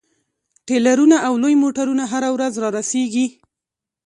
ټریلرونه او لوی موټرونه هره ورځ رارسیږي